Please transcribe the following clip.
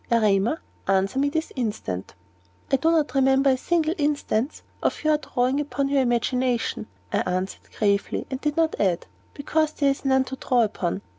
Erema, answer me this instant!" "I do not remember a single instance of your drawing upon your imagination," I answered, gravely, and did not add, "because there is none to draw upon."